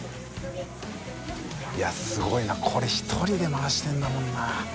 いすごいなこれ１人で回してるんだもんな。